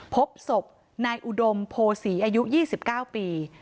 พบศพนายอุดมโพศีอายุ๒๙ปี